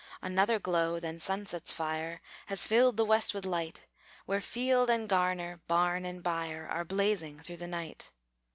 Another glow than sunset's fire Has filled the west with light, Where field and garner, barn and byre, Are blazing through the night.